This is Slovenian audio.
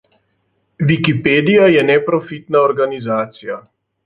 Wikipedija je neprofitna organizacija.